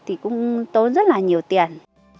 thì cũng tốn rất là nhiều tiền